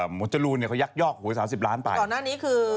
หมดจรูนเนี่ยเขายักยอกหวย๓๐ล้านไปก่อนหน้านี้คือ